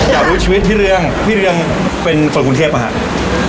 อยากรู้ชีวิตพี่เรืองพี่เรืองเป็นคนกรุงเทพนะครับ